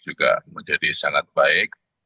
juga menjadi sangat baik